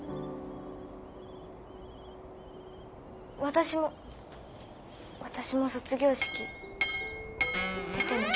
私も私も卒業式出てみる。